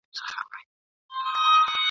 خپل شعرونه چاپ کړل ..